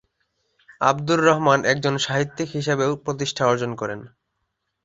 আবদুর রহমান একজন সাহিত্যিক হিসেবেও প্রতিষ্ঠা অর্জন করেন।